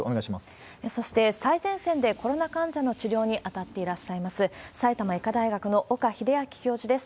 そして、最前線でコロナ患者の治療に当たっていらっしゃいます、埼玉医科大学の岡秀昭教授です。